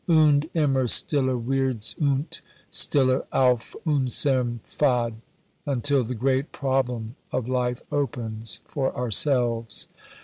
Und immer stiller wird's und stiller auf unserm Pfad until the great problem of life opens for ourselves.